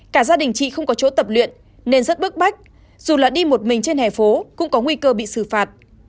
cả gia đình chị không có chỗ tập luyện nên rất bức bách dù là đi một mình trên hè phố cũng có nguy cơ bị xử phạt